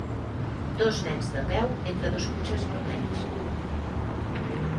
Dos nens de peu entre dos cotxes vermells.